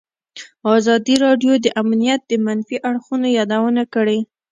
ازادي راډیو د امنیت د منفي اړخونو یادونه کړې.